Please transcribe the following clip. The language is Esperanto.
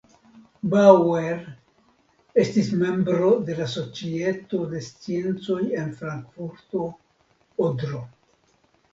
Bauer estis membro de la Societo de Sciencoj en Frankfurto (Odro).